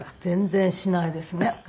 全然しないですね。